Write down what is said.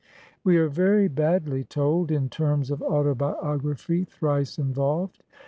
We are very badly told, in terms of autobiography thrice involved.